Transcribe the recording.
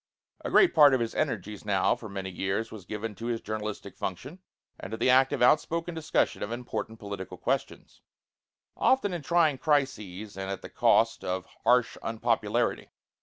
A great part of his energies now for many years was given to his journalistic function, and to the active outspoken discussion of important political questions; often in trying crises and at the cost of harsh unpopularity.